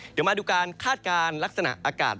เดี๋ยวมาดูการคาดการณ์ลักษณะอากาศ